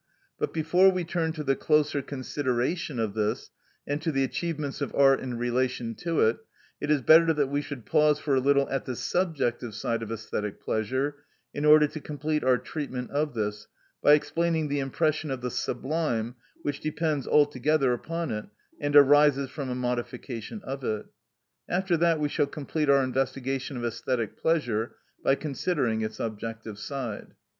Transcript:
But before we turn to the closer consideration of this, and to the achievements of art in relation to it, it is better that we should pause for a little at the subjective side of æsthetic pleasure, in order to complete our treatment of this by explaining the impression of the sublime which depends altogether upon it, and arises from a modification of it. After that we shall complete our investigation of æsthetic pleasure by considering its objective side.